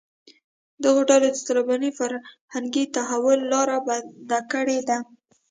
دغو ډلو د طالباني فرهنګي تحول لاره بنده کړې ده